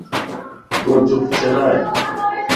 تون چپ ڇيلائين؟